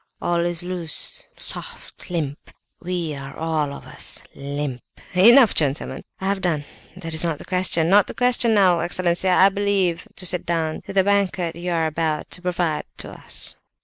All is loose, soft, limp—we are all of us limp.... Enough, gentlemen! I have done. That is not the question. No, the question is now, excellency, I believe, to sit down to the banquet you are about to provide for us!"